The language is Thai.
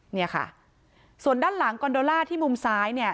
เนี่ยค่ะส่วนด้านหลังคอนโดล่าที่มุมซ้ายเนี่ย